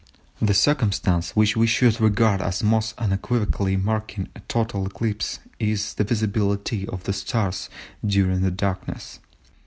The circumstance which we should regard as most unequivocally marking a total eclipse is the visibility of the stars during the darkness.